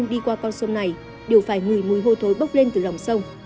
đi qua con sông này đều phải ngửi mùi hô thối bốc lên từ lòng sông